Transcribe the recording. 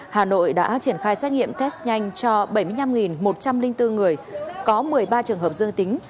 hà nội đã triển khai xét nghiệm test nhanh cho bảy mươi năm một trăm linh bốn người có một mươi ba trường hợp dương tính